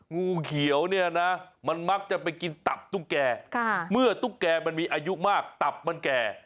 งูเขียวเนี่ยนะมันมักจะไปกินตับตุ๊กแก่เมื่อตุ๊กแกมันมีอายุมากตับมันแก่